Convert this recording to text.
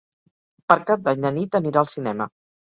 Per Cap d'Any na Nit anirà al cinema.